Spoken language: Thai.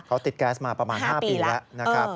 เขาติดแก๊สมาประมาณ๕ปีแล้วนะครับ